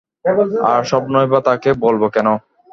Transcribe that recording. আর স্বপ্নই বা তাকে বলব কেন।